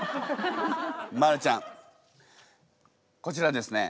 マルちゃんこちらですね